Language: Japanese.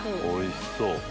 おいしそう。